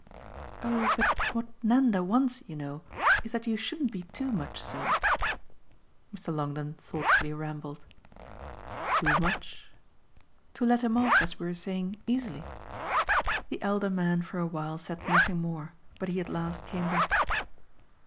"Oh but what Nanda wants, you know, is that you shouldn't be too much so." Mr. Longdon thoughtfully rambled. "Too much ?" "To let him off, as we were saying, easily." The elder man for a while said nothing more, but he at last came back.